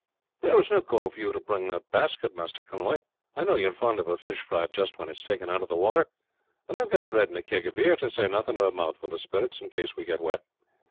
"There was no call for you to bring that basket, Master Conway. I know you are fond of a fish fried just when it is taken out of the water; and I have got bread and a keg of beer, to say nothing of a mouthful of spirits in case we get wet.